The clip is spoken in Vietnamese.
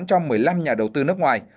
cho một mươi năm nhà đầu tư nước ngoài